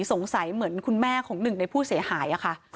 เหมือนคุณแม่ของหนึ่งในผู้เสียหายค่ะ